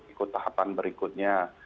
ikut tahapan berikutnya